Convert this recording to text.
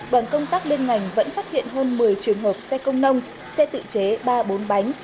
đoàn công tác liên ngành vẫn phát hiện hơn một mươi trường hợp xe công nông xe tự chế ba bốn bánh